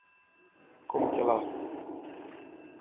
Com que la.